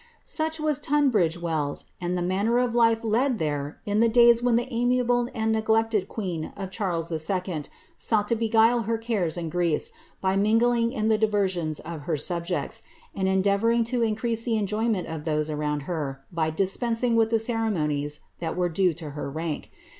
Such was Tunbridge Wells, and the manner of life led there in the days when the amiable and neglected queen of Charles 11. sought to be guile her cares and griefs by mingling in the diversions of her subjects, and endeavouring to increase the enjoyment of those around her by dis pensing with the ceremonies that were due to her rank.